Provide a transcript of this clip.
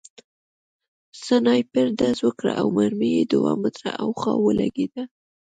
سنایپر ډز وکړ او مرمۍ دوه متره هاخوا ولګېده